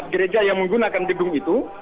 gereja yang menggunakan gedung itu